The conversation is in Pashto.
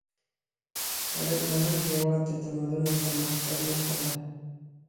سړک د هر هېواد د تمدن او پرمختګ نښه ده